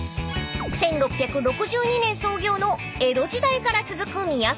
［１６６２年創業の江戸時代から続く宮坂醸造］